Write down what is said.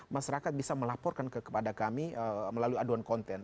masyarakat bisa melaporkan kepada kami melalui aduan konten